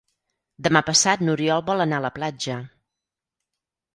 Demà passat n'Oriol vol anar a la platja.